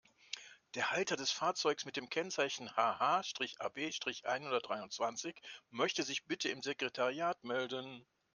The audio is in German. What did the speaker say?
Der Halter des Fahrzeugs mit dem Kennzeichen HH-AB-einhundertdreiundzwanzig möchte sich bitte im Sekretariat melden.